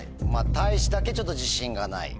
たいしだけちょっと自信がない。